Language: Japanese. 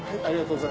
ありがとう。